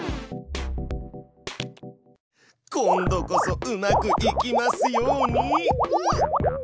今度こそうまくいきますように！